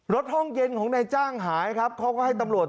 ห้องเย็นของนายจ้างหายครับเขาก็ให้ตำรวจ